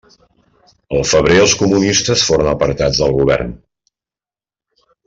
El febrer els comunistes foren apartats del govern.